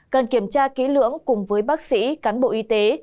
cần kiểm tra kỹ lưỡng cùng với bác sĩ cán bộ y tế